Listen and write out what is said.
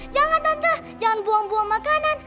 jangan entah jangan buang buang makanan